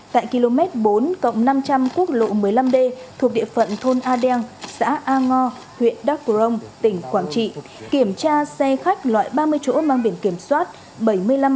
tại km bốn cộng năm trăm linh quốc lộ một mươi năm d thuộc địa phận thôn a đen xã a ngo huyện đắc cổ rông tỉnh quảng trị kiểm tra xe khách loại ba mươi chỗ mang biển kiểm soát bảy mươi năm b hai nghìn một trăm linh hai